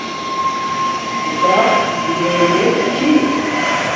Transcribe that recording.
کھییتاپ مننییت چھی